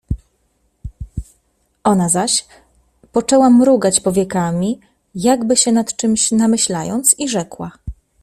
Ona zaś poczęła mrugać powiekami jakby się nad czymś namyślając — i rzekła.